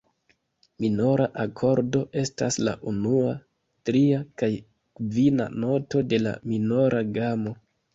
Minora akordo estas la unua, tria kaj kvina noto de la minora gamo.